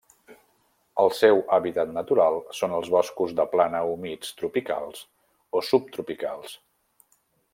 El seu hàbitat natural són els boscos de plana humits tropicals o subtropicals.